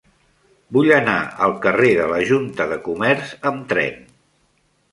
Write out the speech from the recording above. Vull anar al carrer de la Junta de Comerç amb tren.